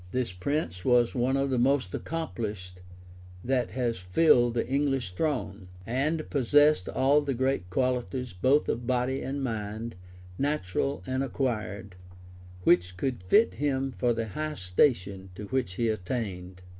] This prince was one of the most accomplished that has filled the English throne, and possessed all the great qualities both of body and mind, natural and acquired, which could fit him for the high station to which he attained.